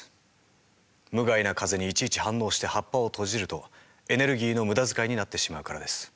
無害な風にいちいち反応して葉っぱを閉じるとエネルギーの無駄遣いになってしまうからです。